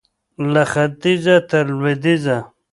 له ختیځه تر لوېدیځه